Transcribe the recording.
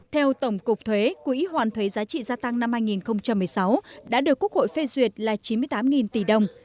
theo tổng cục thuế quỹ hoàn thuế giá trị gia tăng năm hai nghìn một mươi sáu đã được quốc hội phê duyệt là chín mươi tám tỷ đồng